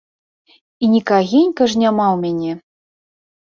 І нікагенька ж няма ў мяне.